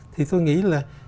thì tôi nghĩ là